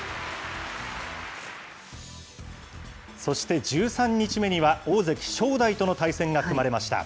そして、１３日目には大関・正代との対戦が組まれました。